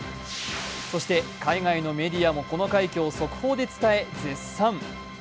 そして海外のメディアもこの快挙を速報で伝え、絶賛。